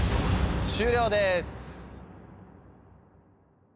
終了です。